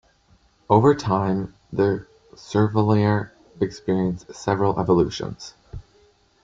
Over time, the Cervelliere experienced several evolutions.